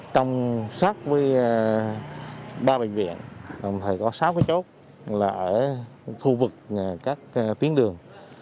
trong sát với ba bệnh viện có sáu chốt là ở khu vực các tuyến đường